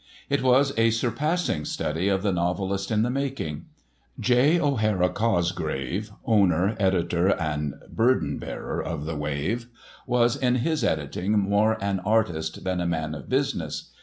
It was a surpassing study of the novelist in the making. J. O'Hara Cosgrave, owner, editor and burden bearer of the Wave, was in his editing more an artist than a man of business.